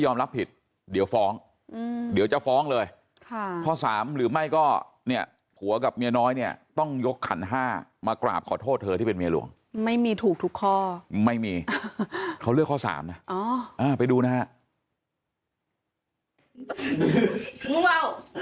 มีเมียน้อยเนี่ยต้องยกขันห้ามากราบขอโทษเธอที่เป็นเมียหลวงไม่มีถูกทุกข้อไม่มีเขาเลือกข้อสามนะไปดูนะฮะ